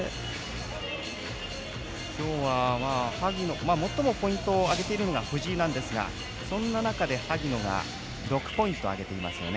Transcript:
今日は最もポイントを挙げているのが藤井なんですがそんな中で萩野が６ポイント挙げていますよね。